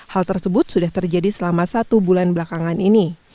hal tersebut sudah terjadi selama satu bulan belakangan ini